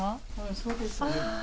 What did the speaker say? そうです。